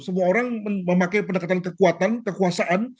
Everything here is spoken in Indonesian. semua orang memakai pendekatan kekuatan kekuasaan